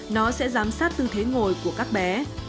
nó sẽ giám sát tư thế ngồi của các bé